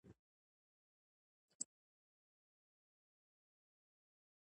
دا موضوع په ډېر تفصیل سره بیان شوه.